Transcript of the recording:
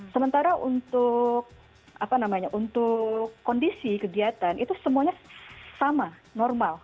sementara untuk apa namanya untuk kondisi kegiatan itu semuanya sama normal